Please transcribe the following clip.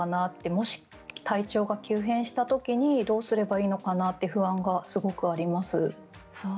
もし体調が急変したときにどうすればいいのかなと不安がすごくあります。